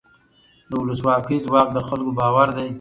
د ولسواکۍ ځواک د خلکو باور دی